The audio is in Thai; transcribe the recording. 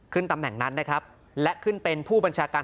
ขึ้นตำแหน่งและขึ้นเป็นผู้บัญชาการ